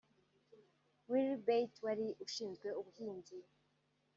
Willy Bett wari ushinzwe ubuhinzi